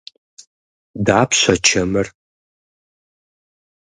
Дапщэ чэмыр?